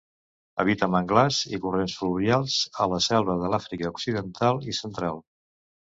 Habita manglars i corrents fluvials a la selva de l'Àfrica Occidental i Central.